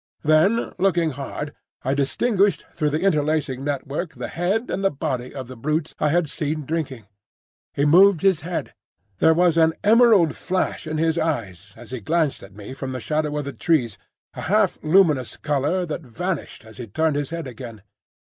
Then looking hard, I distinguished through the interlacing network the head and body of the brute I had seen drinking. He moved his head. There was an emerald flash in his eyes as he glanced at me from the shadow of the trees, a half luminous colour that vanished as he turned his head again.